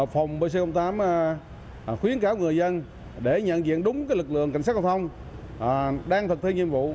phòng pc tám khuyến cáo người dân để nhận diện đúng lực lượng cảnh sát giao thông đang thực thi nhiệm vụ